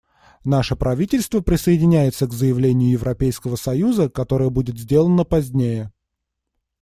Наше правительство присоединяется к заявлению Европейского союза, которое будет сделано позднее.